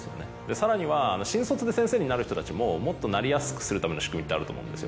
さらには新卒で先生になる人たちももっとなりやすくするための仕組みってあると思うんですよ。